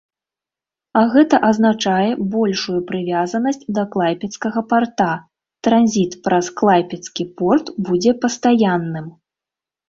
А гэта азначае большую прывязанасць да клайпедскага парта, транзіт праз клайпедскі порт будзе пастаянным.